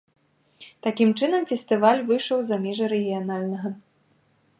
Такім чынам, фестываль выйшаў за межы рэгіянальнага.